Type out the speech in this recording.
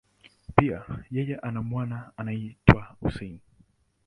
Pia, yeye ana mwana anayeitwa Hussein.